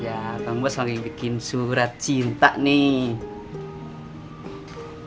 ya kamu bos lagi bikin surat cinta nih